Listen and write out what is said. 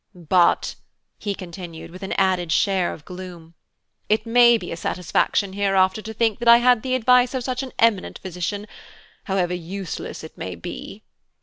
"But," he continued, with an added share of gloom, "it may be a satisfaction hereafter to think that I had the advice of such an eminent physician, however useless it may be."